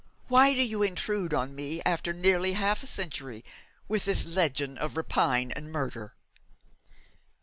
Why do you intrude on me after nearly half a century, with this legend of rapine and murder?'